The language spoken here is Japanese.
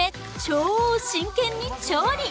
超真剣に調理！